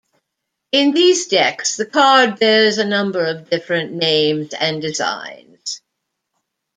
In these decks the card bears a number of different names and designs.